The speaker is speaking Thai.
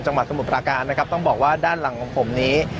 จังหวัดสมุดประการนะครับต้องบอกว่าด้านหลังของผมนี้